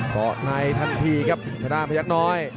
ต่อในทันทีครับสาธารณ์พยักษ์น้อย